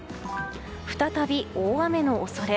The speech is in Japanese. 再び大雨の恐れ。